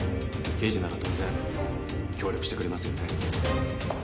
刑事なら当然協力してくれますよね？